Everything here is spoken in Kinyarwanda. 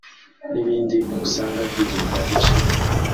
n’ibindi usanga bigenda bicika